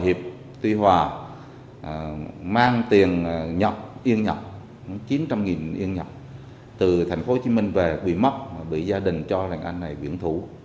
hòa hiệp tuy hòa mang tiền nhập yên nhập chín trăm linh yên nhập từ thành phố hồ chí minh về bị mất bị gia đình cho là anh này biển thủ